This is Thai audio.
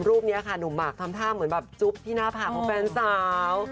รูปนี้ค่ะหนุ่มหมากทำท่าเหมือนแบบจุ๊บที่หน้าผากของแฟนสาว